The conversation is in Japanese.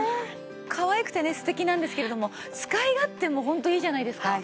かわいくてね素敵なんですけれども使い勝手もホントいいじゃないですか。